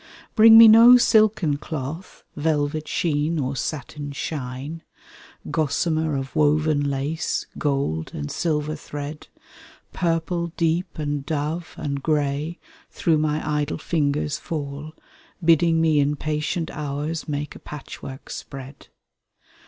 Bring me no silken cloth, velvet sheen or satin shine. Gossamer of woven lace, gold and silver thread, Purple deep and dove, and grey, through my idle fingers fall. Bidding me in patient hours make a patchwork spread.